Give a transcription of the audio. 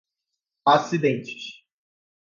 acidentes